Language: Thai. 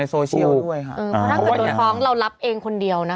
แล้วใช้ต่อในโซเชียลด้วยค่ะ